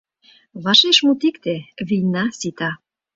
Вашеш мут икте: «Вийна сита!»